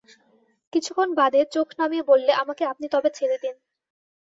কিছুক্ষণ বাদে চোখ নামিয়ে বললে, আমাকে আপনি তবে ছেড়ে দিন।